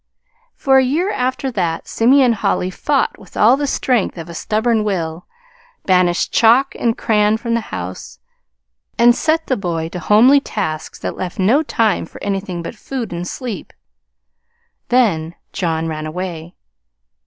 For a year after that Simeon Holly fought with all the strength of a stubborn will, banished chalk and crayon from the house, and set the boy to homely tasks that left no time for anything but food and sleep then John ran away.